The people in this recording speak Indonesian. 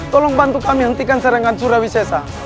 tolong bantu kami hentikan serangan surawi sesa